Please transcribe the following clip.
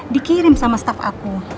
dikirim sama staff aku